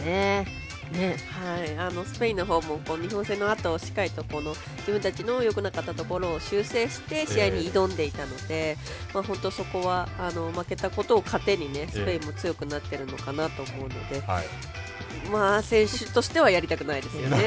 スペインのほうも日本戦のあとしっかりと自分たちのよくなかったところを修正して試合に挑んでいたので本当、そこは負けたことを糧にスペインも強くなってるのかなと思うので選手としてはやりたくないですよね。